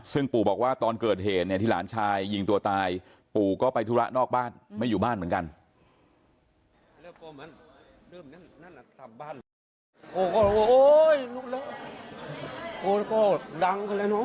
ซึ่งปู่บอกว่าตอนเกิดเหตุเนี่ยที่หลานชายยิงตัวตายปู่ก็ไปธุระนอกบ้านไม่อยู่บ้านเหมือนกัน